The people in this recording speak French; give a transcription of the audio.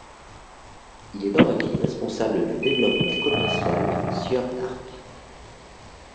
Il est dans la vie responsable du développement commerciale Sieur D'Arques.